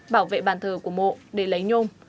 bảo vệ bàn thờ của mộ để lấy nhung